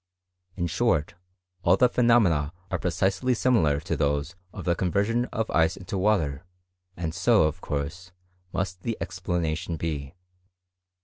In short, alL the phenomena are precisely similar to those of the conversion of ice into water ; and so, of course, must the explanation be.